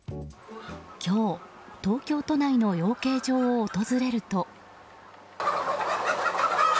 今日、東京都内の養鶏場を訪れると。